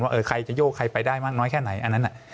ว่าใครจะโยกใครไปได้มากน้อยแค่ไหนอันนั้น